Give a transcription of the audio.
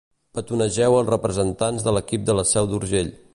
Petonegeu els representants de l'equip de la Seu d'Urgell.